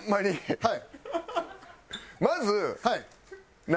はい。